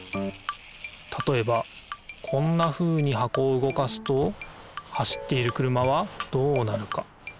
たとえばこんなふうに箱を動かすと走っている車はどうなるか？